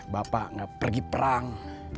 bapak gak pergi perang